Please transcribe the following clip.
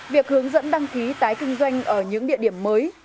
việc hướng dẫn đăng ký tái kinh doanh ở những địa điểm mới